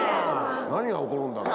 何が起こるんだろう？